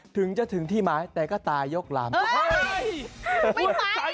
ถึงจะถึงที่ไม้แต่ก็ตายกลามไป